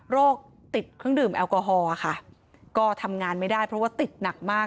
ติดเครื่องดื่มแอลกอฮอล์ค่ะก็ทำงานไม่ได้เพราะว่าติดหนักมาก